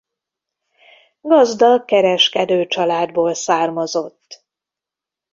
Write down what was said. Gazdag kereskedőcsaládból származott.